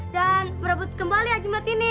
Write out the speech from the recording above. dan merebut kembali ajimat ini